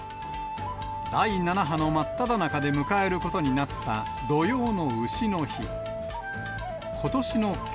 第７波の真っただ中で迎えることになった土用のうしの日。